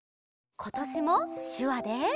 ことしもしゅわで。